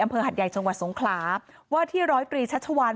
อำเภอหัดใหญ่จังหวัดสงคราว่าที่ร้อยกรีชัชวาน